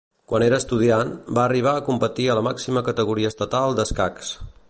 Quan era estudiant, va arribar a competir a la màxima categoria estatal d'escacs.